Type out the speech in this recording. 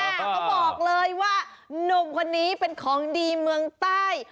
เขาบอกเลยว่าหนุ่มคนนี้เป็นของดีเมืองใต้